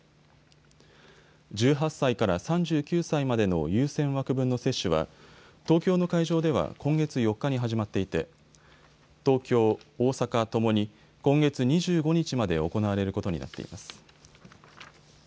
１８歳から３９歳までの優先枠分の接種は東京の会場では今月４日に始まっていて東京、大阪ともに今月２５日まで行われることになっています。